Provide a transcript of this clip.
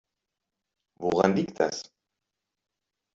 Woran liegt das?